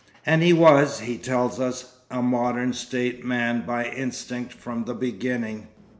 And he was, he tells us, a 'Modern State' man 'by instinct' from the beginning.